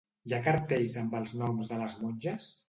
Hi ha cartells amb els noms de les monges?